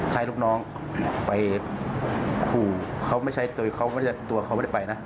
ใช้ลูกน้องไปภูเขาไม่ใช้ตัวเขาไม่ได้ไปนะ